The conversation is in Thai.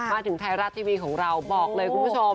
มาถึงไทยรัฐทีวีของเราบอกเลยคุณผู้ชม